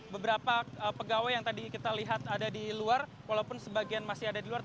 beberapa pegawai yang tadi kita lihat ada di luar walaupun sebagian masih ada di luar